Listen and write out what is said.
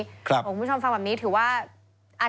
คุณผู้ชมฟังแบบนี้ถือว่า